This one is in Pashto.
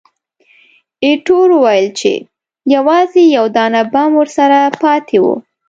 ایټور وویل چې، یوازې یو دانه بم ورسره پاتې وو.